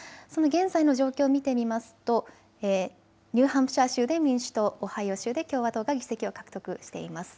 現在の状況を見てみますとニューハンプシャー州で民主党、オハイオ州で共和党が議席を獲得しています。